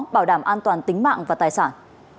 bảo đảm an toàn tính mạng và tài sản